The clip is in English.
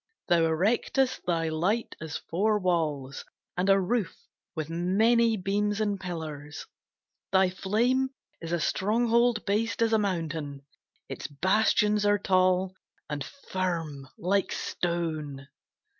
Thou erectest thy light as four walls, And a roof with many beams and pillars. Thy flame is a stronghold based as a mountain; Its bastions are tall, and firm like stone.